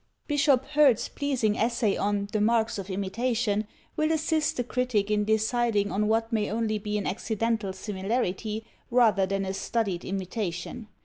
Bishop Hurd's pleasing essay on "The Marks of Imitation" will assist the critic in deciding on what may only be an accidental similarity, rather than a studied imitation.